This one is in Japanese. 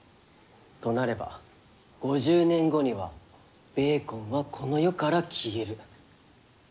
となれば５０年後にはベーコンはこの世から消える。